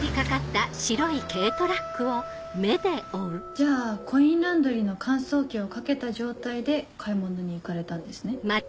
じゃあコインランドリーの乾燥機をかけた状態で買い物に行かれたんですね？